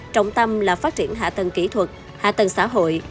trọng tâm là phát triển hạ tầng kỹ thuật hạ tầng xã hội